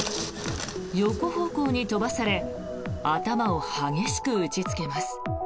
横方向に飛ばされ頭を激しく打ちつけます。